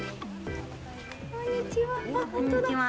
こんにちは。